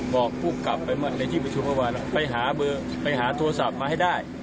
บอกผู้กับในที่ประชุมเมื่อวานไปหาโทรศัพท์มาให้ได้